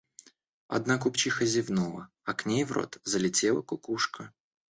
Одна купчиха зевнула, а к ней в рот залетела кукушка.